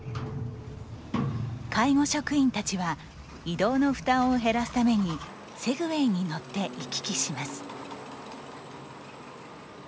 介護職員たちは移動の負担を減らすためにセグウェイに乗って行き来します。